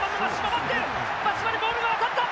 松島にボールが渡った！